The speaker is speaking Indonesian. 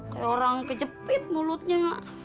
kayak orang kejepit mulutnya